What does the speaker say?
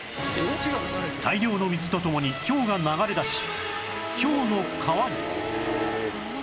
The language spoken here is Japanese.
大量の水と共にひょうが流れ出しひょうの川に